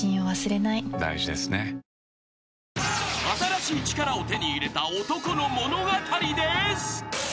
［新しい力を手に入れた男の物語です］